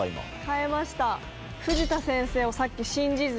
変えました。